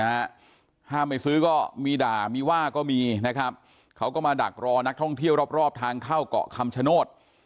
ห้ามไปซื้อก็มีด่ามีว่าก็มีนะครับเขาก็มาดักรอนักท่องเที่ยวรอบรอบทางเข้าเกาะคำชโนธ